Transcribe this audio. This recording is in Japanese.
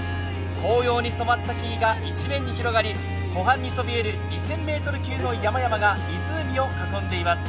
紅葉に染まった木々が一面に広がり湖畔にそびえる２０００メートル級の木々が山を囲んでいます。